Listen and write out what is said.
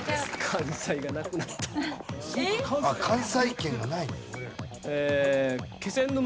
関西圏がない。